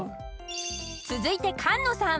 ［続いて菅野さん。